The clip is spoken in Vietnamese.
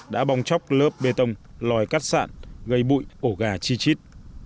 đã bong chóc lớp bê tông lòi cắt sạn gây bụi ổ gà chi chít